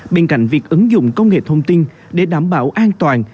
bên cạnh việc ứng dụng công nghệ thông tin để đảm bảo an toàn